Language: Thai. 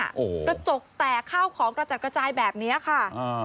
โอ้โหกระจกแตกข้าวของกระจัดกระจายแบบเนี้ยค่ะอ่า